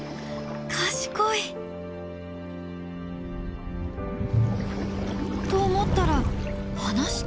賢い！と思ったら放した。